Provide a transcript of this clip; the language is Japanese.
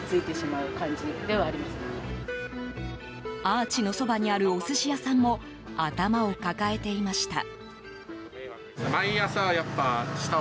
アーチのそばにあるお寿司屋さんも頭を抱えていました。